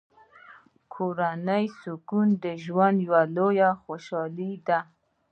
کورنی سکون د ژوند لویه خوشحالي ده.